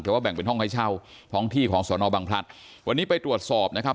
แต่ว่าแบ่งเป็นห้องให้เช่าท้องที่ของสอนอบังพลัดวันนี้ไปตรวจสอบนะครับ